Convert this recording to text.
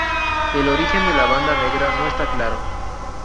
El origen de la Banda Negra no está claro.